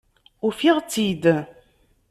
Ufiɣ-tt-id!